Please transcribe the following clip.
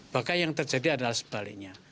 maka yang terjadi adalah sebaliknya